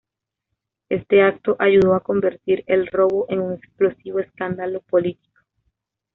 Este acto ayudó a convertir el robo en un explosivo escándalo político.